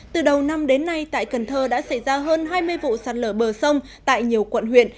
từ đầu năm đến nay tại cần thơ đã xảy ra hơn hai mươi vụ sạt lở bờ sông tại nhiều quận huyện